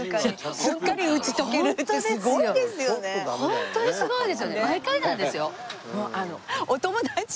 ホントにすごいですよね。